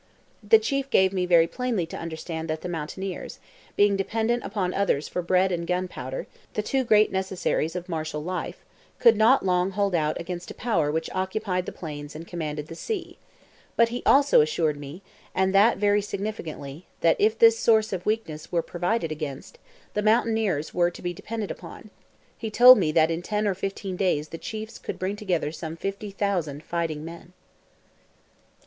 The chief gave me very plainly to understand that the mountaineers, being dependent upon others for bread and gunpowder (the two great necessaries of martial life), could not long hold out against a power which occupied the plains and commanded the sea; but he also assured me, and that very significantly, that if this source of weakness were provided against, the mountaineers were to be depended upon; he told me that in ten or fifteen days the chiefs could bring together some fifty thousand fighting men.